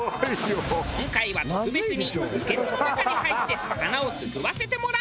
今回は特別にいけすの中に入って魚をすくわせてもらう。